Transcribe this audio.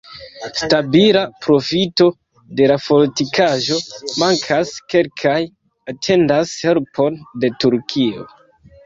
Stabila profito de la fortikaĵo mankas, kelkaj atendas helpon de Turkio.